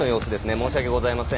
申し訳ございません。